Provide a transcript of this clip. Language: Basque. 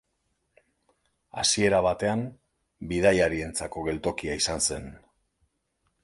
Hasiera batean bidaiarientzako geltokia izan zen.